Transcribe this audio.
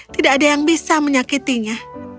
tidak ada yang bisa menyakitinya